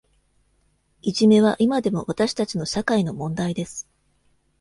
いじめは今でも私たちの社会の問題です。